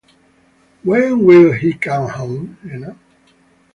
When will he come home, Lena?